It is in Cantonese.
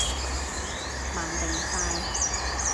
慢定快？